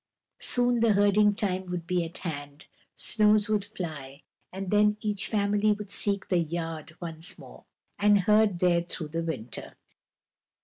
Soon the herding time would be at hand, snows would fly, and then each family would seek the "yard" once more, and herd there through the winter.